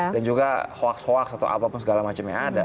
dan juga hoaks hoaks atau apapun segala macamnya ada